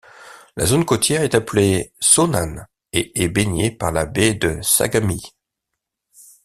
La zone côtière est appelée Shōnan et est baignée par la baie de Sagami.